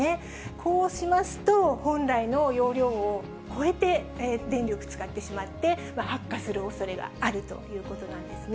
こうしますと、本来の容量を超えて電力使ってしまって、発火するおそれがあるということなんですね。